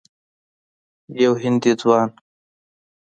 یو هندي ځوان